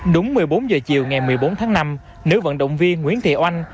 đúng một mươi bốn h chiều ngày một mươi bốn tháng năm nữ vận động viên nguyễn thị oanh